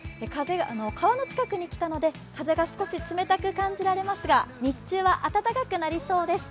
川の近くに来たので風が少し冷たく感じられますが日中は暖かくなりそうです。